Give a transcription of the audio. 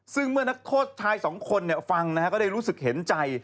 ซึ่งเมื่อนักโทษชายสองคนฟังนะฮะก็ได้รู้สึกเห็นใจ